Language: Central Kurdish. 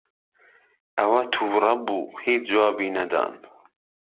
ئهوه تووره بوو هیچ جوابی نهدان